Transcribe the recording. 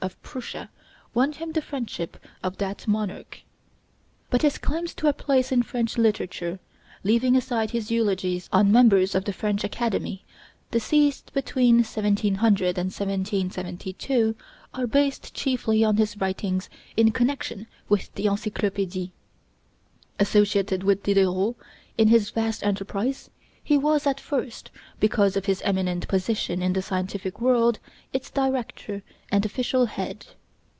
of Prussia won him the friendship of that monarch. But his claims to a place in French literature, leaving aside his eulogies on members of the French Academy deceased between 1700 and 1772, are based chiefly on his writings in connection with the 'Encyclopédie.' Associated with Diderot in this vast enterprise, he was at first, because of his eminent position in the scientific world, its director and official head.